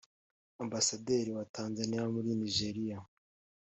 Ambasaderi wa Tanzaniya muri Nigeria